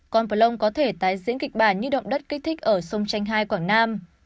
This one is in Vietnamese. con plong có thể tái diễn kịch bản như động đất kích thích ở sông chanh hai quảng nam